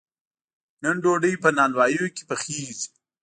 نن ډوډۍ په نانواییو کې پخیږي.